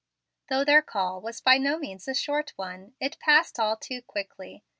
Though their call was by no means a short one, it passed all too quickly.